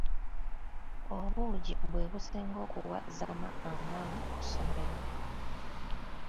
Obuugi bwe businga okuwa Zama amaanyi ku ssomero.